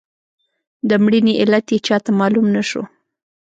د مړینې علت یې چاته معلوم نه شو.